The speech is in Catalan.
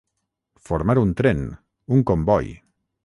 Formar un tren, un comboi.